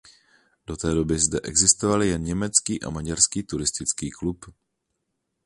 Do té doby zde existovaly jen německý a maďarský turistický klub.